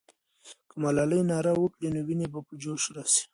که ملالۍ ناره وکړي، نو ويني به په جوش راسي.